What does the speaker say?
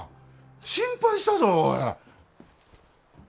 心配したぞおい。